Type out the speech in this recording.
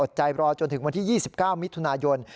ใจรอจนถึงวันที่๒๙มิถุนายน